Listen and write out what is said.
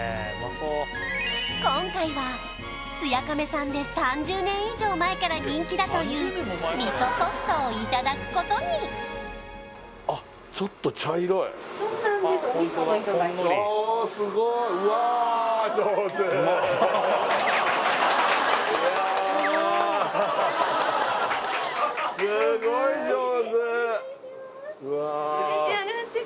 今回はすや亀さんで３０年以上前から人気だというみそソフトをいただくことにそうなんですああスゴイスゴイ上手！